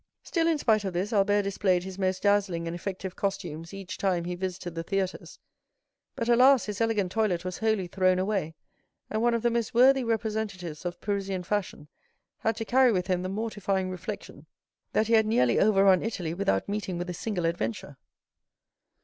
Still, in spite of this, Albert displayed his most dazzling and effective costumes each time he visited the theatres; but, alas, his elegant toilet was wholly thrown away, and one of the most worthy representatives of Parisian fashion had to carry with him the mortifying reflection that he had nearly overrun Italy without meeting with a single adventure.